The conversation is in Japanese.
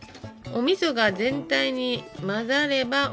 おみそが全体に混ざればＯＫ。